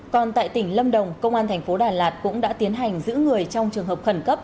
còn tại tỉnh lâm đồng công an thành phố đà lạt cũng đã tiến hành giữ người trong trường hợp khẩn cấp